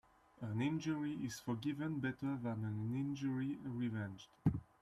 An injury is forgiven better than an injury revenged.